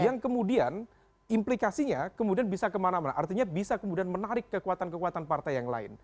yang kemudian implikasinya kemudian bisa kemana mana artinya bisa kemudian menarik kekuatan kekuatan partai yang lain